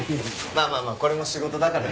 まあまあこれも仕事だからね。